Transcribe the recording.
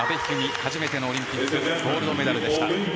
初めてのオリンピックゴールドメダルでした。